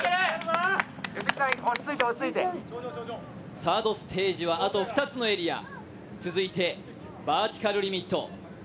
サードステージはあと２つのエリア、続いてバーティカルリミット。